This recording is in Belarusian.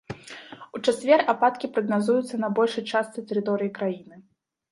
У чацвер ападкі прагназуюцца на большай частцы тэрыторыі краіны.